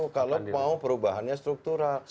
kalau mau perubahannya struktural